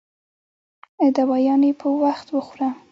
دوايانې په وخت خوره